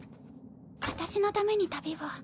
私のために旅を。